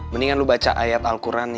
mendingan lu baca ayat al quran